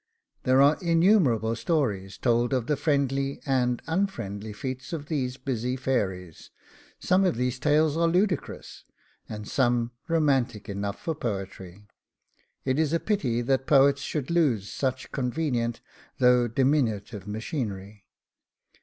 There are innumerable stories told of the friendly and unfriendly feats of these busy fairies; some of these tales are ludicrous, and some romantic enough for poetry. It is a pity that poets should lose such convenient, though diminutive machinery.